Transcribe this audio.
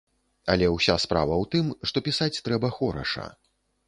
Але ўся справа ў тым, што пісаць трэба хораша.